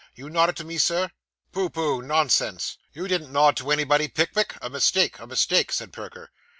You nodded to me, sir?' 'Pooh, pooh, nonsense. You didn't nod to anybody, Pickwick? A mistake, a mistake,' said Perker.